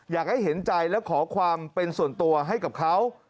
อยากให้เห็นใจและขอความเป็นส่วนตัวให้กับเขา